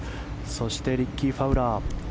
そしてリッキー・ファウラー。